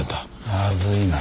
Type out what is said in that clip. まずいな。